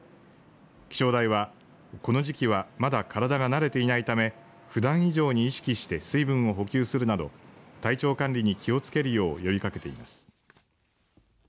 気象台は、この時期はまだ体が慣れていないためふだん以上に意識して水分を補給するなど体調管理に気をつけるよう呼びかけています。